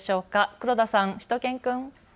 黒田さん、しゅと犬くん。